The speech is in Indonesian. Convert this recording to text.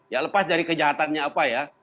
ya lepas dari kejahatannya apa ya